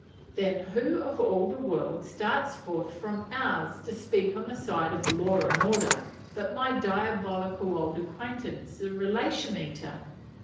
Then who, of all the world, starts forth from "ours," to speak on the side of "law and order," but my diabolical old acquaintance the "Relation Eater."